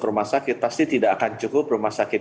rumah sakit pasti tidak akan cukup rumah sakit